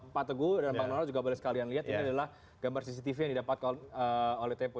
pak teguh dan bang donald juga boleh sekalian lihat ini adalah gambar cctv yang didapatkan oleh tempo